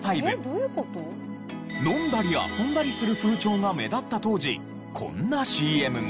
飲んだり遊んだりする風潮が目立った当時こんなＣＭが。